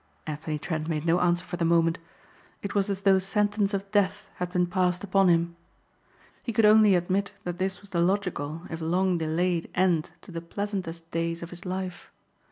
Anthony Trent made no answer for the moment. It was as though sentence of death had been passed upon him. He could only admit that this was the logical if long delayed end to the pleasantest days of his life.